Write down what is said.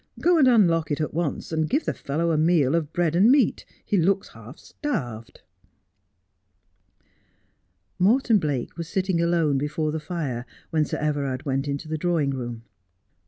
Go and unlock it at once, and give the fellow a meal of bread and meat : he looks half starved.' Morton Blake was sitting alone before the fire, when Sir Everard went into the drawing room.